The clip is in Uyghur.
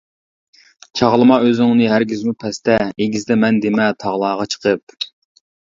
چاغلىما ئۆزۈڭنى ھەرگىزمۇ پەستە، ئېگىزدە مەن دېمە تاغلارغا چىقىپ.